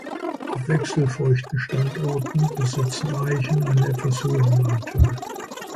Auf wechselfeuchten Standorten besitzen Eichen einen etwas höheren Anteil.